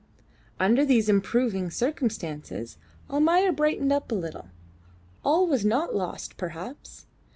Under these improving circumstances Almayer brightened up a little. All was not lost perhaps.